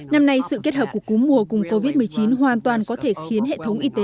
năm nay sự kết hợp của cúm mùa cùng covid một mươi chín hoàn toàn có thể khiến hệ thống y tế